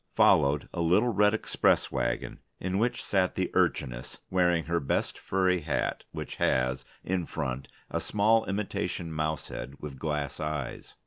Followed a little red express wagon, in which sat the Urchiness, wearing her best furry hat which has, in front, a small imitation mouse head with glass eyes.